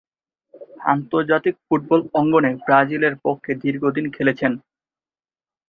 আন্তর্জাতিক ফুটবল অঙ্গনে ব্রাজিলের পক্ষে দীর্ঘদিন খেলেছেন।